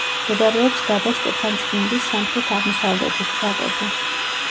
მდებარეობს დაბა სტეფანწმინდის სამხრეთ-აღმოსავლეთით, ვაკეზე.